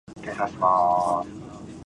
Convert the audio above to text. アイスが食べたい